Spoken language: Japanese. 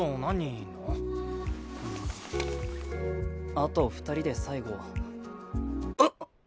あと２人で最後うっ！